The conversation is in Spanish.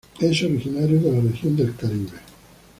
Es originario de la región del Caribe.